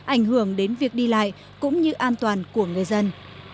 ảnh hưởng đến việc đi lại cũng như an toàn của người dân